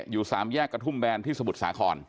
๓แยกกระทุ่มแบนที่สมุทรสาคร